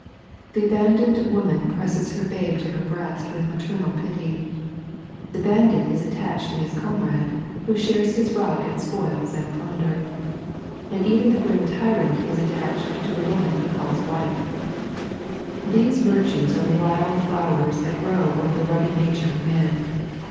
The abandoned woman presses her babe to her breast with maternal pity ; the bandit is attached to his comrade, who shares fais rug and spoils and plunder ; and even the grim tyrant is attached to the woman he calb wife. These virtues are the wild flowers that grow over the nigged nature of man.